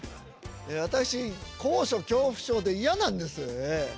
私高所恐怖症で嫌なんですええ。